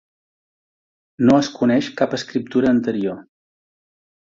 No es coneix cap escriptura anterior.